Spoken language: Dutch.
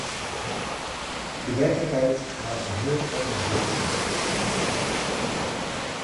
De werkelijkheid laat een heel ander beeld zien.